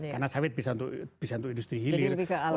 karena sawit bisa untuk industri hilir